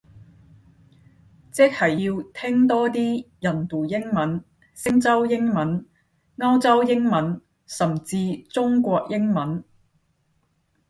即係要聽多啲印度英文，星洲英文，歐洲英文，甚至中國英文